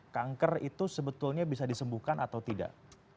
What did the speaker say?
kanker itu sebetulnya bisa disembuhkan atau tidak